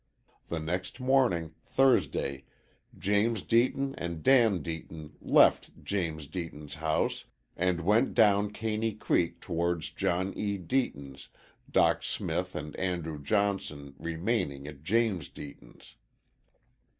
The next morning, Thursday, James Deaton and Dan Deaton left James Deaton's house and went down Caney Creek towards John E. Deaton's, Dock Smith and Andrew Johnson remaining at James Deaton's.